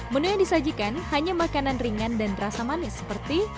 menu yang disajikan hanya makanan ringan dan rasa manis seperti